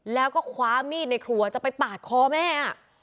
แล้วก็คว้ามีดในครัวจะไปปาดคอแม่